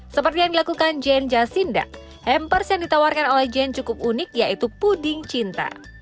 seperti yang dilakukan jane jasinda hampers yang ditawarkan oleh jane cukup unik yaitu puding cinta